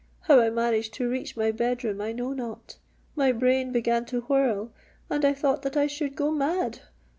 How I managed to reach my bed room I know not: my brain began to whirl, and I thought that I should go mad!